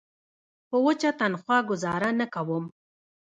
په وچه تنخوا ګوزاره نه کوم.